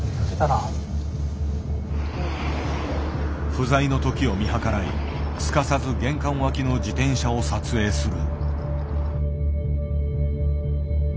不在の時を見計らいすかさず玄関脇の自転車を撮影する。